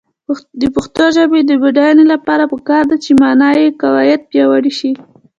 د پښتو ژبې د بډاینې لپاره پکار ده چې معنايي قواعد پیاوړې شي.